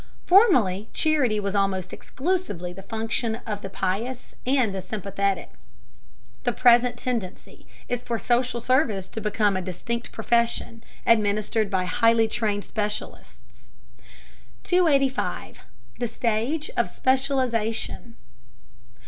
Formerly charity was almost exclusively the function of the pious and the sympathetic; the present tendency is for social service to become a distinct profession, administered by highly trained specialists. 285. THE STAGE OF SPECIALIZATION.